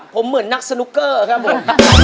ผมเหมือนนักสนุกเกอร์ครับผม